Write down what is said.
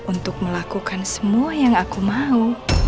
untuk melakukan semua yang aku mau